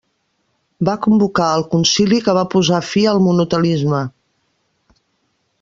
Va convocar el concili que va posar fi al monotelisme.